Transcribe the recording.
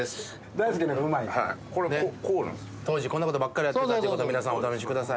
当時、こんなことばっかりやってたってことを、皆さんお楽しみください。